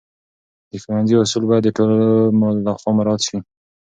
د ښوونځي اصول باید د ټولو لخوا مراعت سي.